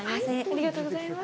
ありがとうございます。